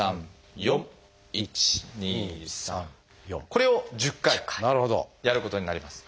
これを１０回やることになります。